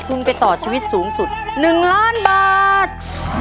ทุนไปต่อชีวิตสูงสุด๑ล้านบาท